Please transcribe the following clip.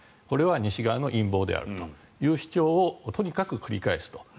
これは西側の陰謀であるという主張をとにかく繰り返すと。